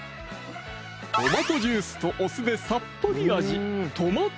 トマトジュースとお酢でさっぱり味